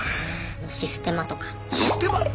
システマとか。